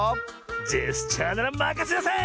ジェスチャーならまかせなさい！